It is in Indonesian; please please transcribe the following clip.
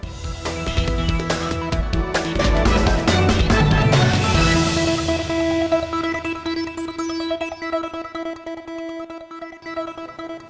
terima kasih pak bambang